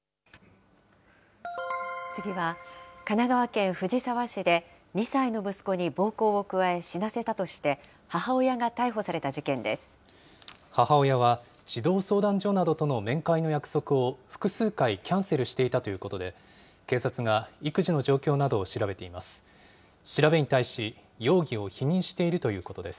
次は、神奈川県藤沢市で２歳の息子に暴行を加え死なせたとして、母親が母親は、児童相談所などとの面会の約束を複数回キャンセルしていたということで、警察が育児の状況などを調べています。